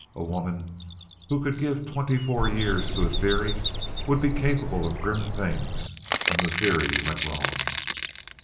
A woman who could give twenty four years to a theory would be capable of grim things when the theory went wrong.